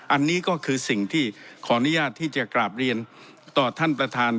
อันนี้ก็คือสิ่งที่ขออนุญาตที่จะกราบเรียนต่อท่านประธาน